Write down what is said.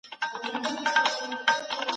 د شکر ادا کول د سمې استفادې په مانا دی.